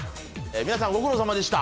皆さんご苦労さまでした。